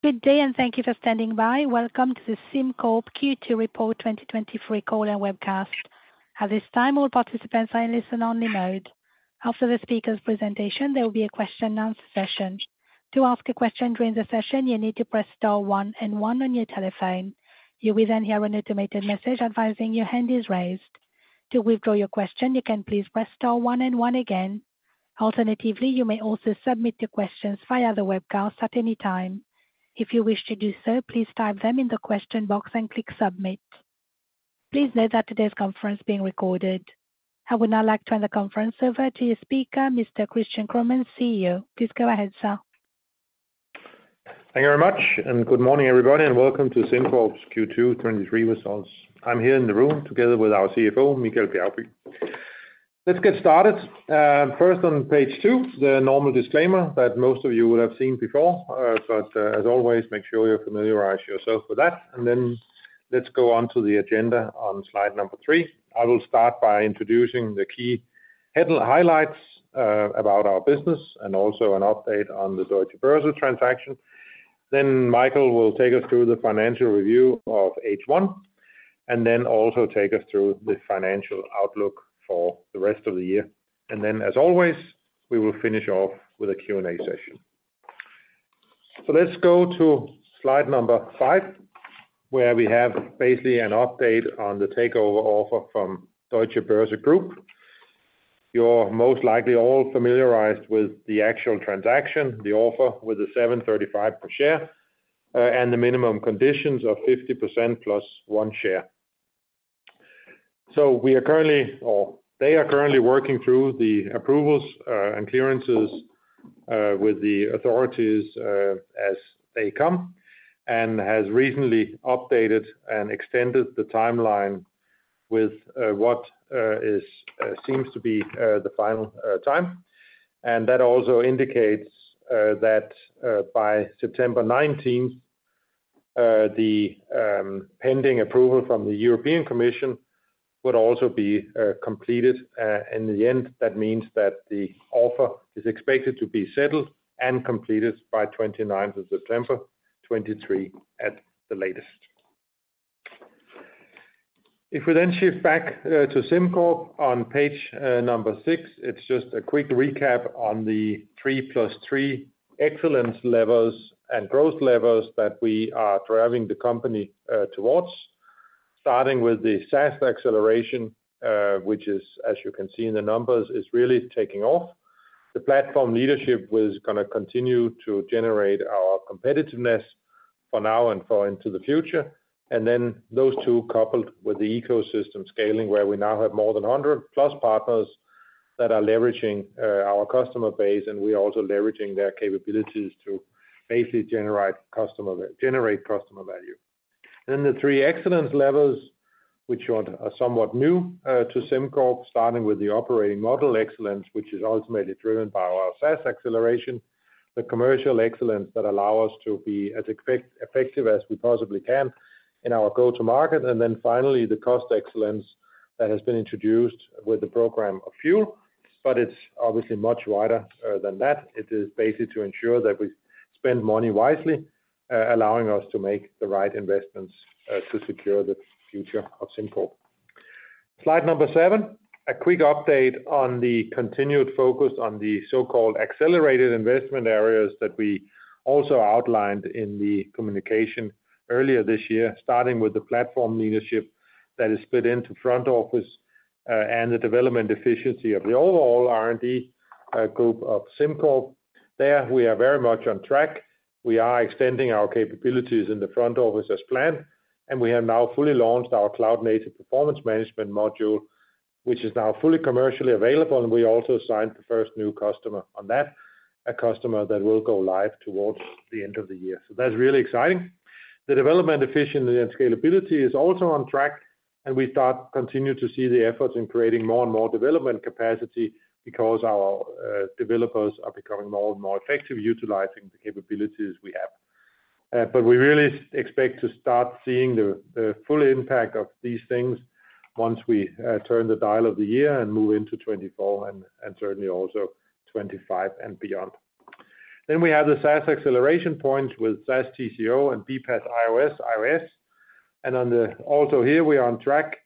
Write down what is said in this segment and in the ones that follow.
Good day, and thank you for standing by. Welcome to the SimCorp Q2 Report 2023 caller webcast. At this time, all participants are in listen-only mode. After the speaker's presentation, there will be a question and answer session. To ask a question during the session, you need to press star 1 and 1 on your telephone. You will then hear an automated message advising your hand is raised. To withdraw your question, you can please press star 1 and 1 again. Alternatively, you may also submit your questions via the webcast at any time. If you wish to do so, please type them in the question box and click Submit. Please note that today's conference is being recorded. I would now like to hand the conference over to your speaker, Mr. Christian Kromann, CEO. Please go ahead, sir. Thank you very much, good morning, everybody, and welcome to SimCorp's Q2 2023 results. I'm here in the room together with our CFO, Michael Bjergby. Let's get started. First, on page 2, the normal disclaimer that most of you will have seen before, but as always, make sure you familiarize yourself with that, and then let's go on to the agenda on slide number 3. I will start by introducing the key highlights about our business and also an update on the Deutsche Börse transaction. Michael will take us through the financial review of H1, and then also take us through the financial outlook for the rest of the year. Then, as always, we will finish off with a Q&A session. Let's go to slide number 5, where we have basically an update on the takeover offer from Deutsche Börse Group. You're most likely all familiarized with the actual transaction, the offer with the 735 per share, and the minimum conditions of 50% plus one share. We are currently, or they are currently working through the approvals and clearances with the authorities as they come, and has recently updated and extended the timeline with what is seems to be the final time. That also indicates that by September 19th, the pending approval from the European Commission would also be completed. In the end, that means that the offer is expected to be settled and completed by 29th of September 2023 at the latest. If we then shift back to SimCorp on page number six, it's just a quick recap on the three plus three excellence levels and growth levels that we are driving the company towards. Starting with the SaaS acceleration, which is, as you can see in the numbers, is really taking off. The platform leadership was going to continue to generate our competitiveness for now and far into the future. Those two, coupled with the ecosystem scaling, where we now have more than 100 plus partners that are leveraging our customer base, and we are also leveraging their capabilities to basically generate customer, generate customer value. The three excellence levels, which are, are somewhat new to SimCorp, starting with the operating model excellence, which is ultimately driven by our SaaS acceleration, the commercial excellence that allow us to be as effective as we possibly can in our go-to market. Finally, the cost excellence that has been introduced with the program of FUEL. It's obviously much wider than that. It is basically to ensure that we spend money wisely, allowing us to make the right investments to secure the future of SimCorp. Slide number 7, a quick update on the continued focus on the so-called accelerated investment areas that we also outlined in the communication earlier this year, starting with the platform leadership that is split into front office and the development efficiency of the overall R&D group of SimCorp. There, we are very much on track. We are extending our capabilities in the front office as planned, and we have now fully launched our cloud-native performance management module, which is now fully commercially available, and we also signed the first new customer on that, a customer that will go live towards the end of the year. That's really exciting. The development, efficiency, and scalability is also on track, and we start to continue to see the efforts in creating more and more development capacity because our developers are becoming more and more effective, utilizing the capabilities we have. We really expect to start seeing the full impact of these things once we turn the dial of the year and move into 2024 and, and certainly also 2025 and beyond. We have the SaaS acceleration point with SaaS TCO and BPaaS IOS. Also here we are on track,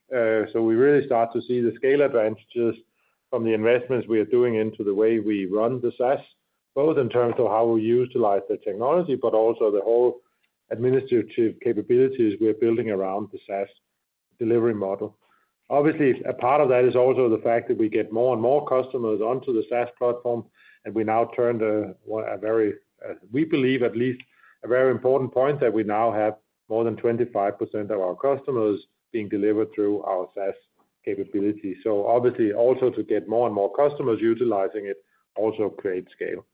so we really start to see the scale advantages from the investments we are doing into the way we run the SaaS, both in terms of how we utilize the technology, but also the whole administrative capabilities we are building around the SaaS delivery model. Obviously, a part of that is also the fact that we get more and more customers onto the SaaS platform, and we now turn the, well, a very, we believe at least a very important point, that we now have more than 25% of our customers being delivered through our SaaS capability. Obviously, also to get more and more customers utilizing it also creates scale.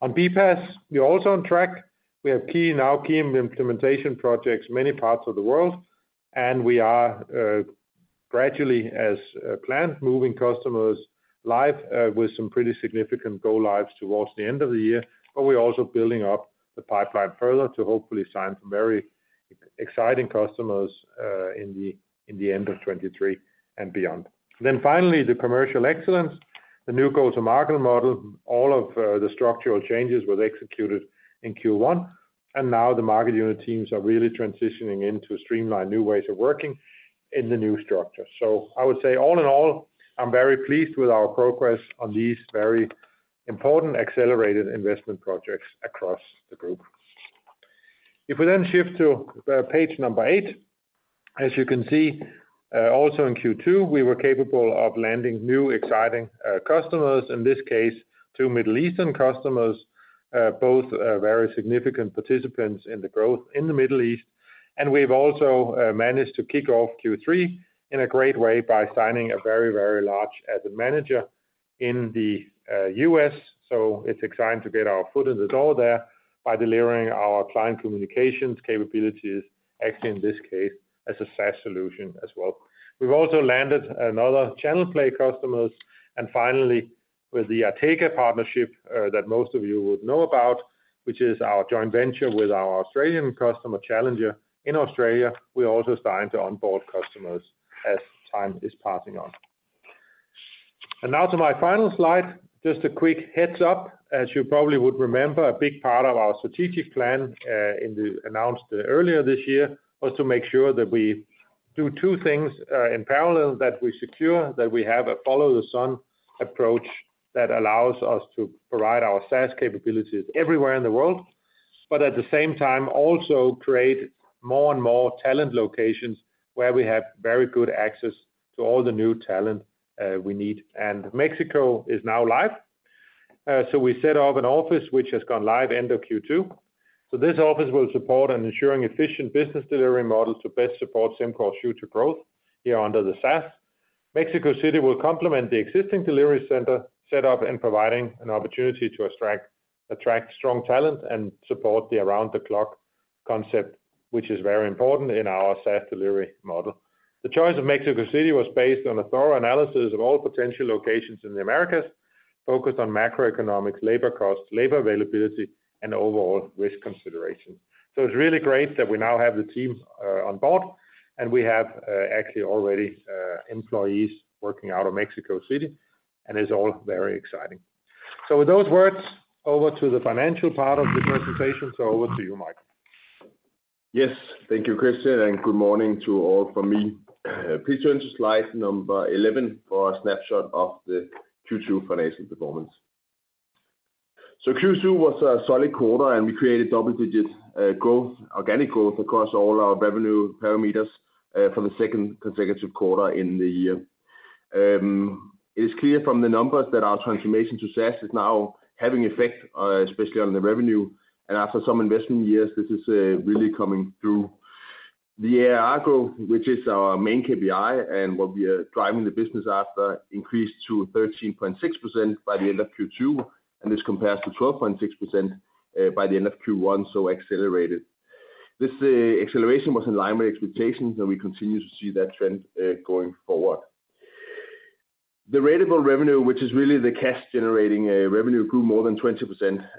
On BPaaS, we are also on track. We have key, now key implementation projects, many parts of the world, and we are, gradually, as planned, moving customers live, with some pretty significant go-lives towards the end of the year. We're also building up the pipeline further to hopefully sign some exciting customers, in the, in the end of 2023 and beyond. Finally, the commercial excellence, the new go-to-market model. All of the structural changes were executed in Q1, and now the market unit teams are really transitioning into streamlined new ways of working in the new structure. I would say, all in all, I'm very pleased with our progress on these very important accelerated investment projects across the group. If we then shift to page number eight, as you can see, also in Q2, we were capable of landing new, exciting customers, in this case, two Middle Eastern customers, both very significant participants in the growth in the Middle East. We've also managed to kick off Q3 in a great way by signing a very, very large asset manager in the US. It's exciting to get our foot in the door there by delivering our client communications capabilities, actually, in this case, as a SaaS solution as well. We've also landed another channel play customers, and finally, with the Artega partnership that most of you would know about, which is our joint venture with our Australian customer, Challenger. In Australia, we are also starting to onboard customers as time is passing on. Now to my final slide, just a quick heads up. As you probably would remember, a big part of our strategic plan, in the announced earlier this year, was to make sure that we do two things in parallel, that we secure, that we have a follow-the-sun approach, that allows us to provide our SaaS capabilities everywhere in the world, but at the same time, also create more and more talent locations where we have very good access to all the new talent we need. Mexico is now live. We set up an office which has gone live end of Q2. This office will support on ensuring efficient business delivery models to best support SimCorp's future growth here under the SaaS. Mexico City will complement the existing delivery center setup and providing an opportunity to attract strong talent and support the around-the-clock concept, which is very important in our SaaS delivery model. The choice of Mexico City was based on a thorough analysis of all potential locations in the Americas, focused on macroeconomic, labor costs, labor availability, and overall risk considerations. It's really great that we now have the team on board, and we have actually already employees working out of Mexico City, and it's all very exciting. With those words, over to the financial part of the presentation. Over to you, Michael. Yes, thank you, Christian. Good morning to all from me. Please turn to slide number 11 for a snapshot of the Q2 financial performance. Q2 was a solid quarter, and we created double-digit growth, organic growth across all our revenue parameters for the 2nd consecutive quarter in the year. It's clear from the numbers that our transformation to SaaS is now having effect, especially on the revenue, and after some investment years, this is really coming through. The ARR growth, which is our main KPI and what we are driving the business after, increased to 13.6% by the end of Q2, and this compares to 12.6% by the end of Q1, so accelerated. This acceleration was in line with expectations, and we continue to see that trend going forward. The ratable revenue, which is really the cash-generating revenue, grew more than 20%,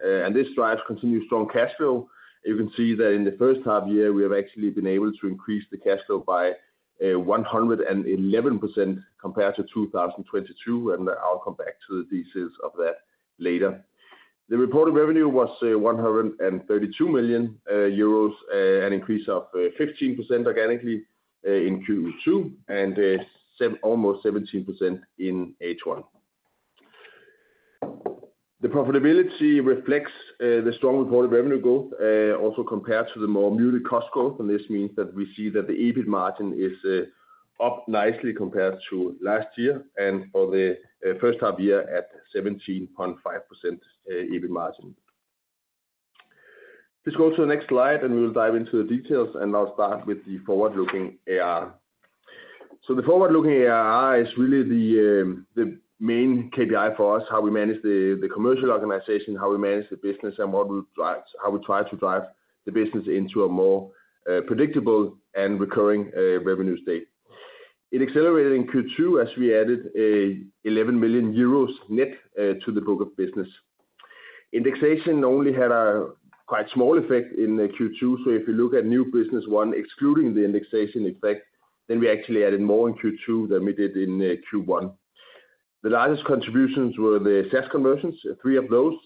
and this drives continued strong cash flow. You can see that in the first half year, we have actually been able to increase the cash flow by 111% compared to 2022, and I'll come back to the details of that later. The reported revenue was 132 million euros, an increase of 15% organically in Q2, and almost 17% in H1. The profitability reflects the strong reported revenue growth, also compared to the more muted cost growth, and this means that we see that the EBIT margin is up nicely compared to last year and for the first half year at 17.5% EBIT margin. Please go to the next slide, and we'll dive into the details, and I'll start with the forward-looking ARR. The forward-looking ARR is really the main KPI for us, how we manage the commercial organization, how we manage the business, and how we try to drive the business into a more predictable and recurring revenue state. It accelerated in Q2 as we added a 11 million euros net to the book of business. Indexation only had a quite small effect in the Q2, so if you look at new business, one, excluding the indexation effect, then we actually added more in Q2 than we did in Q1. The largest contributions were the SaaS conversions, 3 of those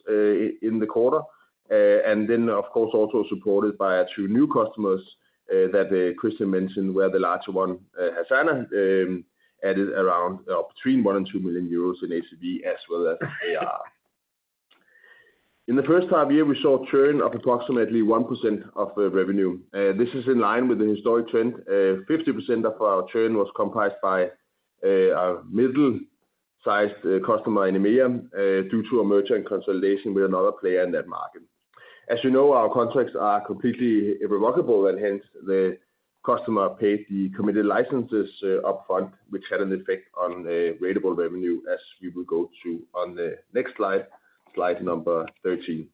in the quarter, and then, of course, also supported by 2 new customers that Christian mentioned, where the larger one, Asana, added around between 1 million and 2 million euros in ACV as well as ARR. In the first half year, we saw a churn of approximately 1% of the revenue. This is in line with the historic trend. 50% of our churn was comprised by a middle-sized customer in EMEA due to a merger and consolidation with another player in that market. As you know, our contracts are completely irrevocable, and hence, the customer paid the committed licenses upfront, which had an effect on the ratable revenue, as we will go to on the next slide, slide number 13.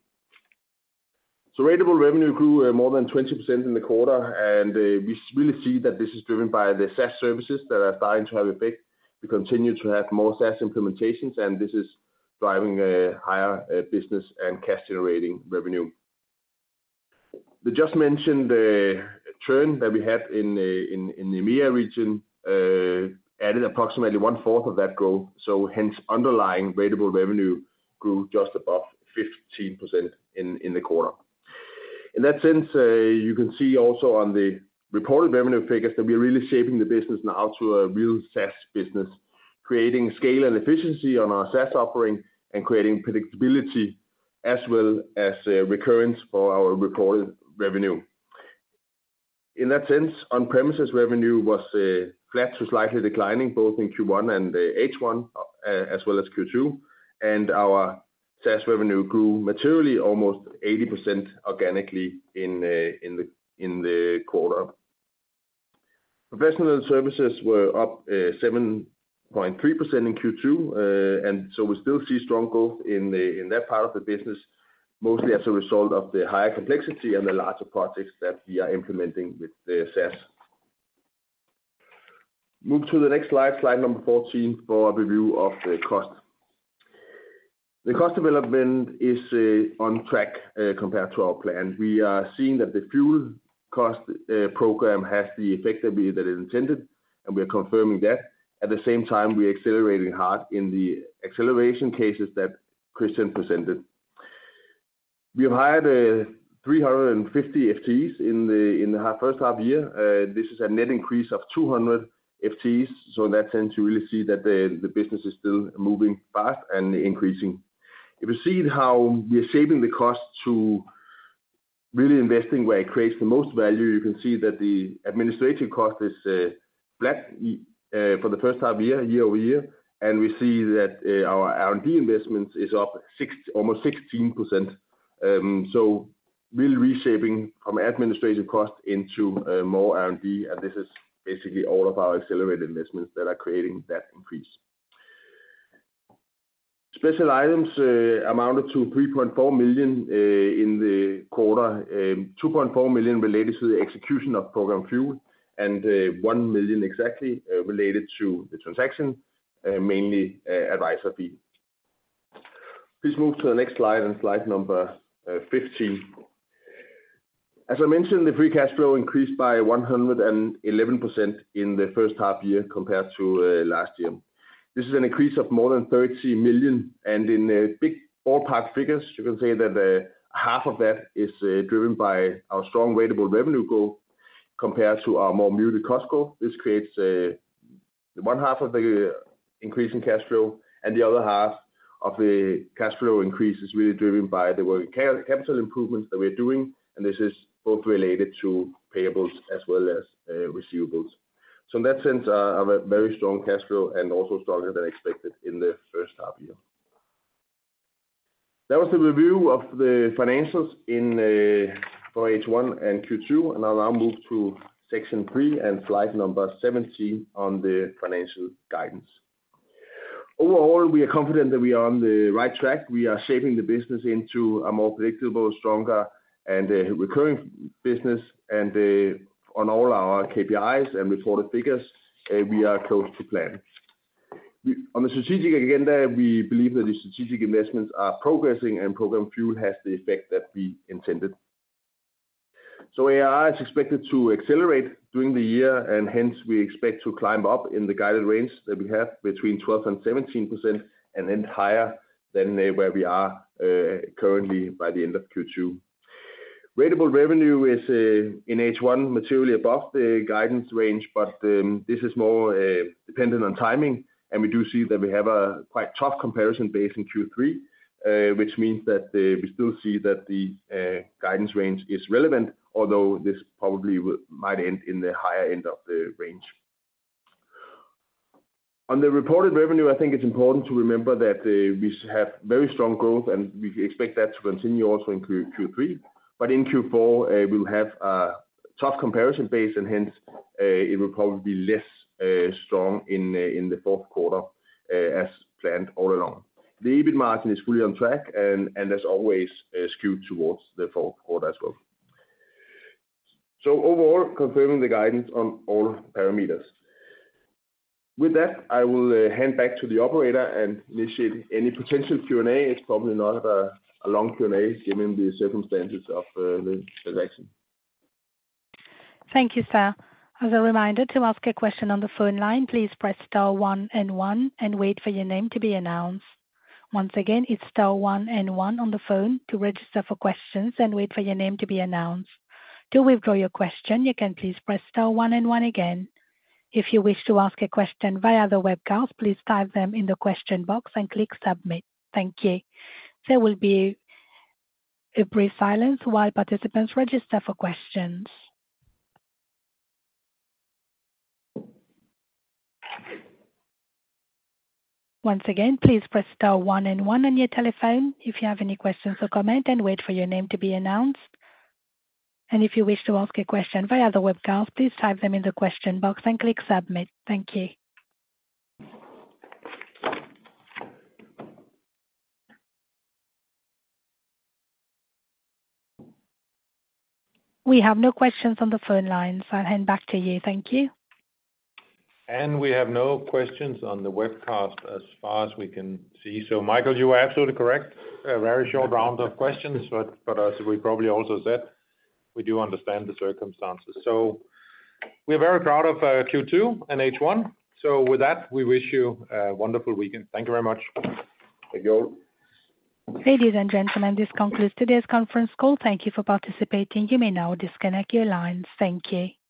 Ratable revenue grew more than 20% in the quarter, and we really see that this is driven by the SaaS services that are starting to have effect. We continue to have more SaaS implementations, and this is driving a higher business and cash generating revenue. The just mentioned trend that we had in the EMEA region added approximately one fourth of that growth. Hence underlying ratable revenue grew just above 15% in the quarter. In that sense, you can see also on the reported revenue figures, that we are really shaping the business now to a real SaaS business, creating scale and efficiency on our SaaS offering and creating predictability as well as recurrence for our reported revenue. In that sense, on-premises revenue was flat to slightly declining, both in Q1 and H1, as well as Q2, and our SaaS revenue grew materially, almost 80% organically in the quarter. Professional services were up 7.3% in Q2. We still see strong growth in that part of the business, mostly as a result of the higher complexity and the larger projects that we are implementing with the SaaS. Move to the next slide, slide number 14, for a review of the cost. The cost development is on track compared to our plan. We are seeing that the FUEL cost program has the effect that is intended, and we are confirming that. At the same time, we are accelerating hard in the acceleration cases that Christian presented. We have hired 350 FTEs in the first half year. This is a net increase of 200 FTEs. In that sense, you really see that the business is still moving fast and increasing. If you see how we are shaping the cost to really investing where it creates the most value, you can see that the administrative cost is flat for the first half year, year-over-year. We see that our R&D investment is up almost 16%. Really reshaping from administrative cost into more R&D, this is basically all of our accelerated investments that are creating that increase. Special items amounted to 3.4 million in the quarter. 2.4 million related to the execution of FUEL program, 1 million exactly related to the transaction, mainly advisor fee. Please move to the next slide and slide number 15. As I mentioned, the free cash flow increased by 111% in the first half year compared to last year. This is an increase of more than 30 million, in big ballpark figures, you can say that half of that is driven by our strong ratable revenue growth compared to our more muted cost growth. This creates one half of the increase in cash flow, the other half of the cash flow increase is really driven by the work, capital improvements that we're doing, and this is both related to payables as well as receivables. In that sense, a very strong cash flow and also stronger than expected in the first half-year. That was the review of the financials in for H1 and Q2, and I'll now move to section 3 and slide number 17 on the financial guidance. Overall, we are confident that we are on the right track. We are shaping the business into a more predictable, stronger, and recurring business, and on all our KPIs and reported figures, we are close to plan. On the strategic agenda, we believe that the strategic investments are progressing and FUEL program has the effect that we intended. AI is expected to accelerate during the year, and hence we expect to climb up in the guided range that we have between 12 and 17%, and then higher than where we are currently by the end of Q2. Ratable revenue is in H1, materially above the guidance range, but this is more dependent on timing, and we do see that we have a quite tough comparison base in Q3, which means that we still see that the guidance range is relevant, although this probably might end in the higher end of the range. On the reported revenue, I think it's important to remember that we have very strong growth, and we expect that to continue also in Q3. In Q4, we'll have a tough comparison base, and hence, it will probably be less strong in the fourth quarter, as planned all along. The EBIT margin is fully on track and as always, skewed towards the fourth quarter as well. Overall, confirming the guidance on all parameters. With that, I will hand back to the operator and initiate any potential Q&A. It's probably not a long Q&A, given the circumstances of the election. Thank you, sir. As a reminder, to ask a question on the phone line, please press star one and one and wait for your name to be announced. Once again, it's star one and one on the phone to register for questions and wait for your name to be announced. To withdraw your question, you can please press star one and one again. If you wish to ask a question via the webcast, please type them in the question box and click submit. Thank you. There will be a brief silence while participants register for questions. Once again, please press star one and one on your telephone if you have any questions or comment, and wait for your name to be announced. If you wish to ask a question via the webcast, please type them in the question box and click submit. Thank you. We have no questions on the phone line. I'll hand back to you. Thank you. We have no questions on the webcast as far as we can see. Michael, you are absolutely correct. A very short round of questions, but as we probably also said, we do understand the circumstances. We are very proud of Q2 and H1. With that, we wish you a wonderful weekend. Thank you very much. Thank you. Ladies and gentlemen, this concludes today's conference call. Thank you for participating. You may now disconnect your lines. Thank you.